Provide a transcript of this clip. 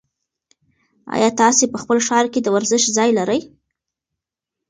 ایا تاسي په خپل ښار کې د ورزش ځای لرئ؟